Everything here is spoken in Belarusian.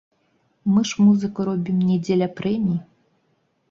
Мы ж музыку робім не дзеля прэмій.